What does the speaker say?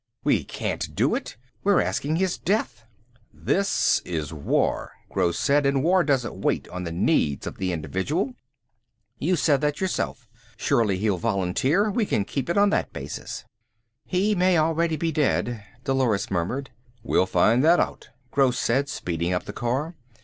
"We can't do it. We're asking his death!" "This is war," Gross said, "and war doesn't wait on the needs of the individual. You said that yourself. Surely he'll volunteer; we can keep it on that basis." "He may already be dead," Dolores murmured. "We'll find that out," Gross said speeding up the car.